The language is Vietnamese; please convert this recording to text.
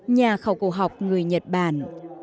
nhà khẩu cổ học người nhật bản